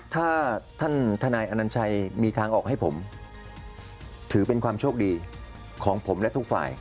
ถ้าท่านทนายอนัญชัยมีทางออกให้ผมถือเป็นความโชคดีของผมและทุกฝ่าย